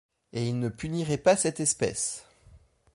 Et il ne punirait pas cette espèce!